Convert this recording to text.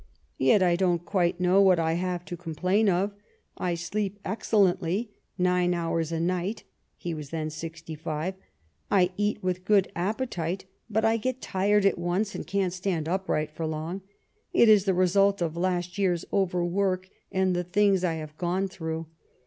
Yet I don't quite know what I have to complain of ; I sleep excellently, nine hours a night (he was then sixty five), I eat with good appetite ; but I get tired at once, and can't stand upright for long. It is the result of last year's overwork and the things I have gone through."